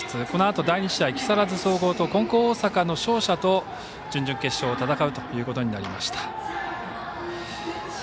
このあと第２試合木更津総合と金光大阪の勝者と準々決勝を戦うということになりました。